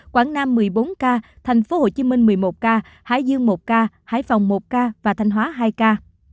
quảng nam một mươi bốn ca tp hcm một mươi một ca hải dương một ca hải phòng một ca và thanh hóa hai ca